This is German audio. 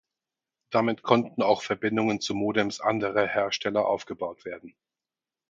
Damit konnten auch Verbindungen zu Modems anderer Hersteller aufgebaut werden.